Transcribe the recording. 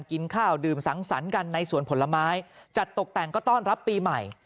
กินข้าวดื่มสังสรรค์กันในสวนผลไม้จัดตกแต่งก็ต้อนรับปีใหม่